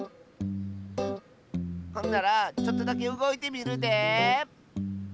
ほんならちょっとだけうごいてみるで！